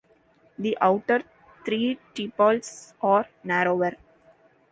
The outer three tepals are narrower.